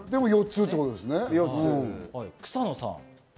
草野さん。